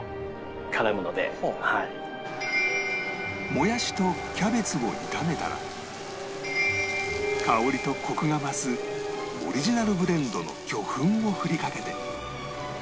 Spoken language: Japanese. もやしとキャベツを炒めたら香りとコクが増すオリジナルブレンドの魚粉を振りかけて